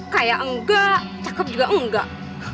kayak enggak cakep juga enggak